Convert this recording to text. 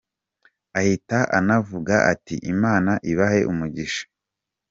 Ahita anavuga ati "Imana ibahe umugisha".